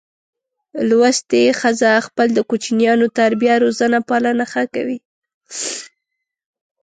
لوستي ښځه خپل د کوچینیانو تربیه روزنه پالنه ښه کوي.